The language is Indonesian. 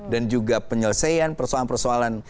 dan juga penyelesaian persoalan persoalan